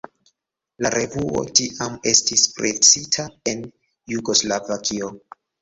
La revuo tiam estis presita en Jugoslavio.